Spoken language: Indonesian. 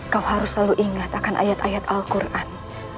kau harus selalu ingat akan ayat ayat al quran